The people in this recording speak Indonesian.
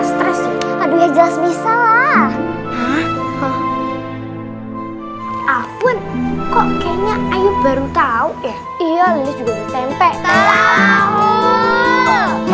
stress aduh jelas bisa lah ah ah hai afwan kok kayaknya ayu baru tahu ya iya juga tempe tahu